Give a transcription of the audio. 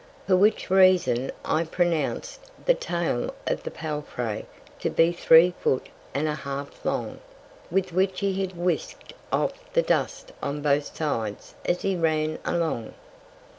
For which Reason I pronounc'd the Tail of the Palfrey to be three Foot and a half long, with which he had whisk'd off the Dust on both Sides as he ran along.